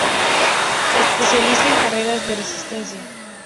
Especialista en carreras de resistencia.